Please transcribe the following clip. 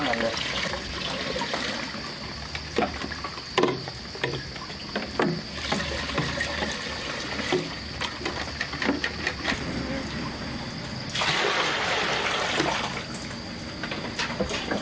พร้อมทุกสิทธิ์